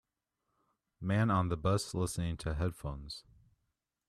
Man on the bus listening to headphones.